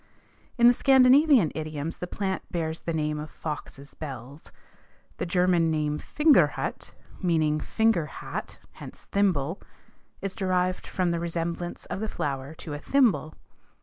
In the Scandinavian idioms the plant bears the name of foxes' bells. The German name Fingerhut, meaning finger hat, hence thimble, is derived from the resemblance of the flower to a thimble.